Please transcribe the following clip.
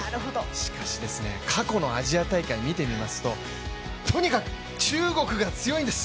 しかし過去のアジア大会見てみますと、とにかく中国が強いんです。